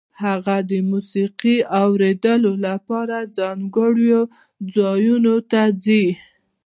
هغه د موسیقۍ اورېدو لپاره ځانګړو ځایونو ته ځي